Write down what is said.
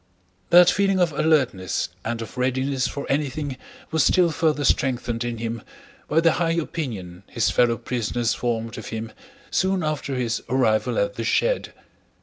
That feeling of alertness and of readiness for anything was still further strengthened in him by the high opinion his fellow prisoners formed of him soon after his arrival at the shed.